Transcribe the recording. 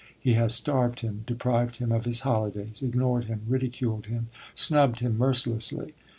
He has starved him, deprived him of his holidays, ignored him, ridiculed him, snubbed him mercilessly.